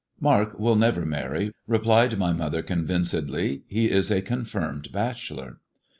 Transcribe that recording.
' "Mark will never marry," replied my mother con vincedly; "he is a confirmed bachelor."